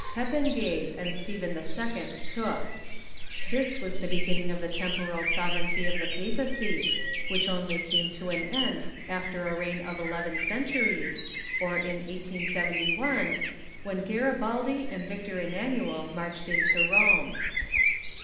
Pepin gave, and Stephen IL took. This was the beginning of the temporal sovereignty of the j^apacy, which only came to an end after a reign of eleven centuries, or in 1871, when Gari baldi and Victor Emanuel marched into Rome.